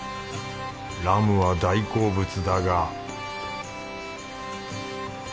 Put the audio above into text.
ラムは大好物だが